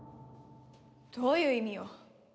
どういう意味よ？